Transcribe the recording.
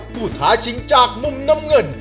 ท้าชิงจากมุมน้ำเงิน